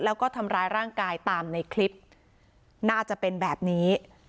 แล้วก็ทำร้ายร่างกายตามในคลิปน่าจะเป็นแบบนี้